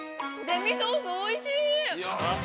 デミソース、おいしい！